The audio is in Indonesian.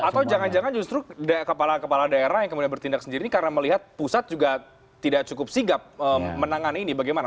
atau jangan jangan justru kepala kepala daerah yang kemudian bertindak sendiri karena melihat pusat juga tidak cukup sigap menangani ini bagaimana